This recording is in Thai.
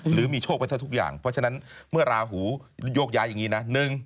หรือมีโชคไว้เท่าทุกอย่างเพราะฉะนั้นเมื่อราหูโยกย้ายอย่างนี้นะ